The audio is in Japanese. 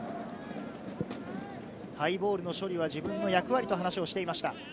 ハイボールの処理が自分の役割と話をしていました。